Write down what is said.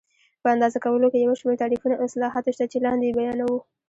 په اندازه کولو کې یو شمېر تعریفونه او اصلاحات شته چې لاندې یې بیانوو.